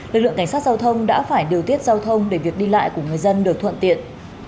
lực lượng cảnh sát giao thông đã phải điều tiết giao thông để việc đi lại của người dân được thuận tiện